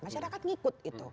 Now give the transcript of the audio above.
masyarakat ngikut itu